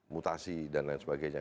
mutasi dan lain sebagainya